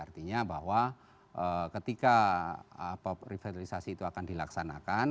artinya bahwa ketika revitalisasi itu akan dilaksanakan